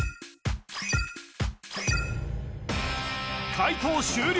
解答終了